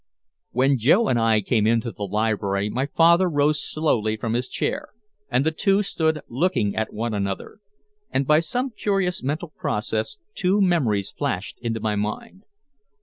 When Joe and I came into the library my father rose slowly from his chair and the two stood looking at one another. And by some curious mental process two memories flashed into my mind.